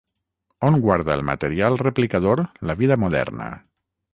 On guarda el material replicador la vida moderna?